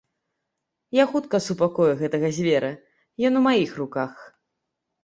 Я хутка супакою гэтага звера, ён у маіх руках.